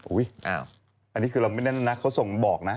อันนี้คือเราไม่แน่นนะเขาส่งบอกนะ